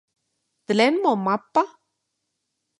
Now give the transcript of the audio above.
¿Tlen momapa?